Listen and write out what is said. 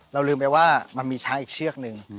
ลืมไปว่ามันมีช้างอีกเชือกนึง